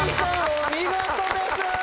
お見事です！